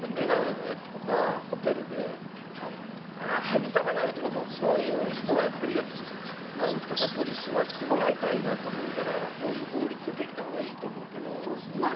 ＶＴＲに出てきたタクシーのメガネのやつとか、ホテルで何様なんや！とか、そういう人はやっぱり何とか取り締まってもらいたいなと思うから、そういう法律できた方がいいと思うけれども。